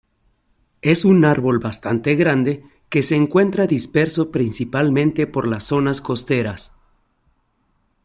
Es un árbol bastante grande que se encuentra disperso principalmente por las zonas costeras.